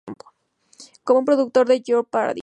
Como un productor de "Jeopardy!